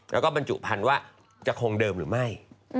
แล้วก็บรรจุพันธุ์ว่าจะคงเดิมหรือไม่